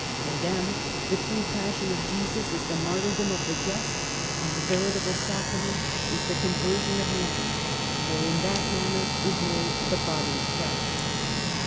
For them the true Passion of Jesus is the martyrdom of the just, and the veritable Sacrament is the conversion of man, for in that man ner is made the Body of Christ.